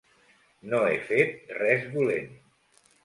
No he fet res dolent.